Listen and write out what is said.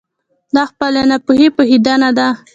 دا په خپلې ناپوهي پوهېدنه ده.